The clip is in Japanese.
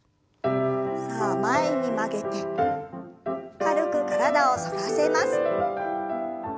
さあ前に曲げて軽く体を反らせます。